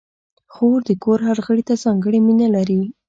خور د کور هر غړي ته ځانګړې مینه لري.